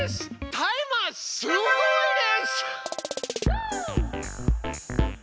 タイマーすごいです！